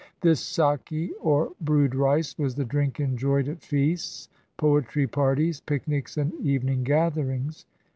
This sake or brewed rice was the drink enjoyed at feasts, poetry parties, picnics, and evening gatherings.